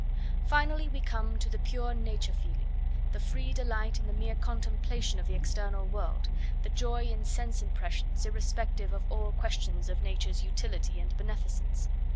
Finally we come to the pure nature feeling, the free delight in the mere contemplation of the external world, the joy in sense impressions irrespective of all questions of Nature's utility and beneficence.